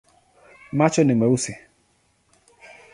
Macho ni meusi.